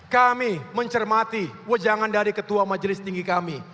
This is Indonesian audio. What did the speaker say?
kami mencermati wejangan dari ketua majelis tinggi kami